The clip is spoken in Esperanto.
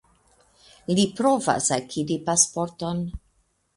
Li provas akiri pasporton.